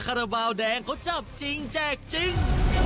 คาราบาลแดงเขาจับจริงแจกจริง